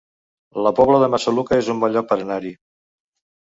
La Pobla de Massaluca es un bon lloc per anar-hi